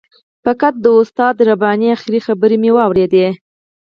فقط د استاد رباني آخري خبرې مې واورېدې.